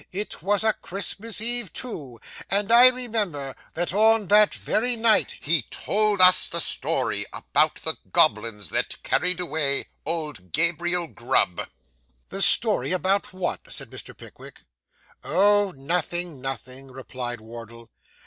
It was a Christmas Eve, too; and I remember that on that very night he told us the story about the goblins that carried away old Gabriel Grub.' 'The story about what?' said Mr. Pickwick. 'Oh, nothing, nothing,' replied Wardle.